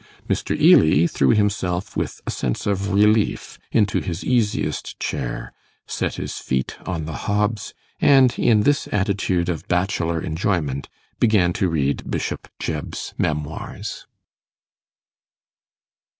Mr. Ely threw himself with a sense of relief into his easiest chair, set his feet on the hobs, and in this attitude of bachelor enjoyment began to read Bishop Jebb's Memoirs.